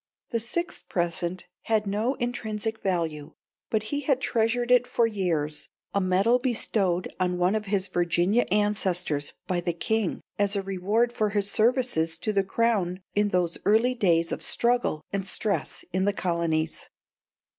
The sixth present had no intrinsic value, but he had treasured it for years, a medal bestowed on one of his Virginia ancestors by the king, as a reward for his services to the crown in those early days of struggle and stress in the colonies.